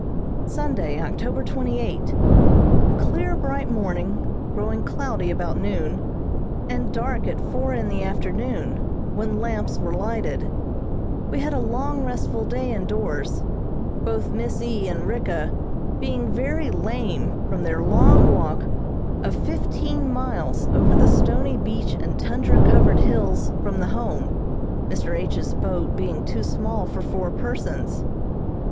Sunday, October twenty eight: A clear, bright morning, growing cloudy about noon, and dark at four in the afternoon, when lamps were lighted. We had a long, restful day indoors, both Miss E. and Ricka being very lame from their long walk of fifteen miles over the stony beach and tundra covered hills from the Home, Mr. H.'s boat being too small for four persons.